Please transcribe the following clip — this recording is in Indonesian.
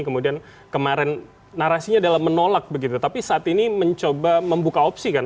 kemudian kemarin narasinya adalah menolak begitu tapi saat ini mencoba membuka opsi kan